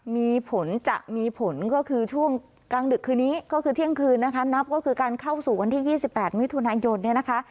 มีผลจะมีผลก็คือช่วงกลางดึกคืนนี้ก็คือเที่ยงคืนนะคะนับก็คือการเข้าสู่วันที่๒๘มิถุนายนเนี่ยนะคะ